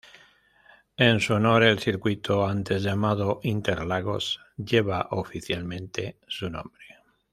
En su honor, el circuito antes llamado Interlagos lleva oficialmente su nombre.